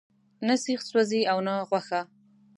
نه سیخ سوی او نه غوښه.